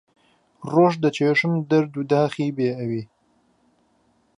ڕۆژ دەچێژم دەرد و داخی بێ ئەوی